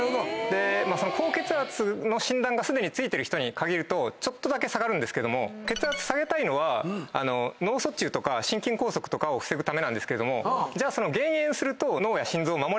高血圧の診断がすでに付いてる人に限るとちょっとだけ下がるんですけども血圧下げたいのは脳卒中とか心筋梗塞とかを防ぐためなんですけれどもじゃあ減塩すると脳や心臓を守れるんですか？という。